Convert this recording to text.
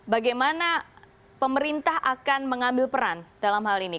bagaimana pemerintah akan mengambil peran dalam hal ini